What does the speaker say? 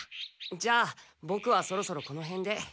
じゃあボクはそろそろこのへんで。